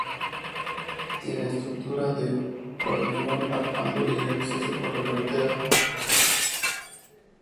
Tiene estructura de hormigón armado y acceso por carretera.